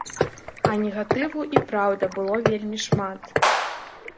А негатыву, і праўда, было вельмі шмат.